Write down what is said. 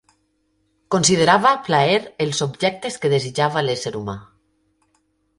Considerava plaer els objectes que desitjava l'ésser humà.